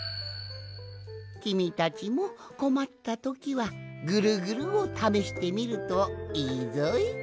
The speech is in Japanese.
きみたちもこまったときはぐるぐるをためしてみるといいぞい。